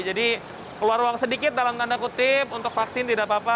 jadi keluar ruang sedikit dalam tanda kutip untuk vaksin tidak apa apa